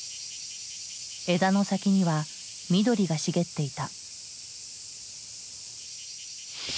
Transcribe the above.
枝の先には緑が茂っていた。